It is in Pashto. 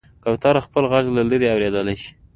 کوتره خپل غږ له لرې اورېدلی شي.